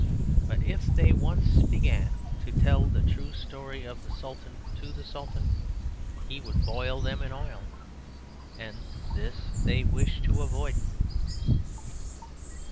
But if they once began to tell the true story of the Sultan to the Sultan, he would boil them in oil; and this they wish to avoid.